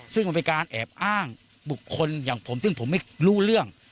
ซึ่งมันเป็นการแอบอ้างบุคคลอย่างผมซึ่งผมไม่รู้เรื่อง